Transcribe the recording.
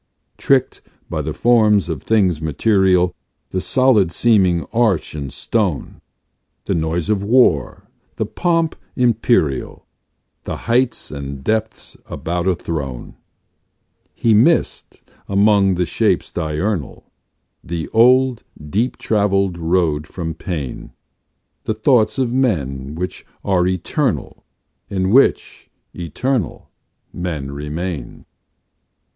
Tricked by the forms of things material The solid seeming arch and stone, The noise of war, the pomp imperial, The heights and depths about a throne He missed, among the shapes diurnal, The old, deep travelled road from pain, The thoughts of men which are eternal, In which, eternal, men remain.